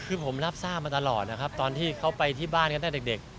คือผมรับทราบมาตลอดนะครับตอนที่เขาไปที่บ้านกันตั้งแต่เด็ก